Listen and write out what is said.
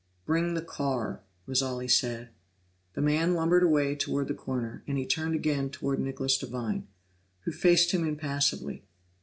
"Bring the car," was all he said. The man lumbered away toward the corner, and he turned again toward Nicholas Devine, who faced him impassively.